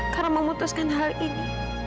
karena memutuskan hal ini